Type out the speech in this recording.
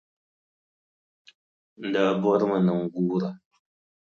N daa bɔrimi ni n guura.